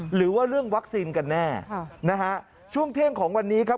หรือว่าเรื่องวัคซีนกันแน่นะฮะช่วงเที่ยงของวันนี้ครับ